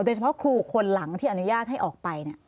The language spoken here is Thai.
โดยเฉพาะครูคนหลังที่อนุญาตให้ออกไปเนี่ย